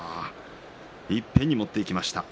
いっぺんに持っていきました。